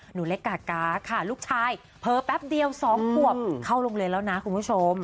หนูเล็กกาก๊าค่ะลูกชายเผลอแป๊บเดียว๒ขวบเข้าโรงเรียนแล้วนะคุณผู้ชม